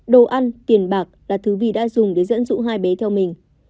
đồ ăn tiền bạc là thứ vì đã dùng để dẫn dụ hai bé theo mình